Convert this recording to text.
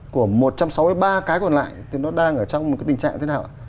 của một trăm sáu mươi ba cái còn lại thì nó đang ở trong một tình trạng thế nào